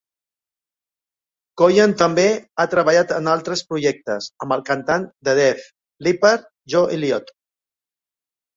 Collen també ha treballat en altres projectes amb el cantant de Def Leppard, Joe Elliott.